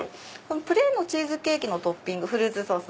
プレーンのチーズケーキのトッピングフルーツソース。